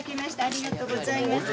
ありがとうございます。